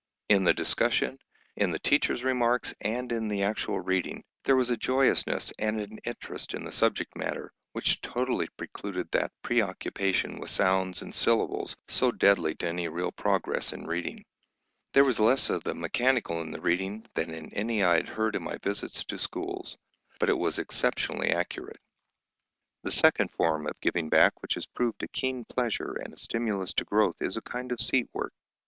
In the discussion, in the teachers' remarks, and in the actual reading, there was a joyousness and an interest in the subject matter which totally precluded that preoccupation with sounds and syllables so deadly to any real progress in reading. There was less of the mechanical in the reading than in any I had heard in my visits to schools; but it was exceptionally accurate. The second form of giving back which has proved a keen pleasure and a stimulus to growth is a kind of "seat work."